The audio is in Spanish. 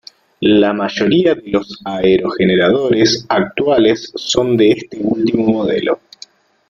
La mayoría de los aerogeneradores actuales son de este último modelo.